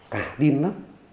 cả điên lắm